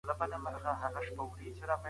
دا هورمونونه دفاعي سیستم قوي کوي.